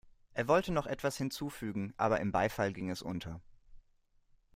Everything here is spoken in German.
Er wollte noch etwas hinzufügen, aber im Beifall ging es unter.